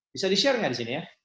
bisa di share nggak di sini ya